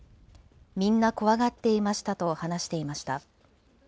みんな怖がっていましたと話していました。